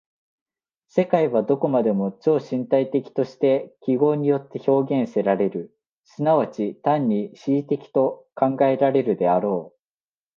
世界はどこまでも超身体的として記号によって表現せられる、即ち単に思惟的と考えられるであろう。